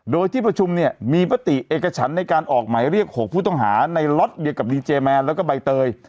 โดยที่ประชุมเนี่ยมีมติเอกฉันในการออกหมายเรียก๖ผู้ต้องหาในล็อตเดียวกับดีเจแมนแล้วก็ใบเตย